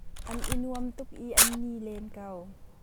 An i nuam tuk i an ni leen ko.